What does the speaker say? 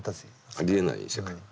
ありえない世界。